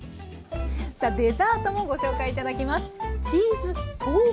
さあデザートもご紹介頂きます。